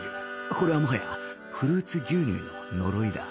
これはもはやフルーツ牛乳の呪いだ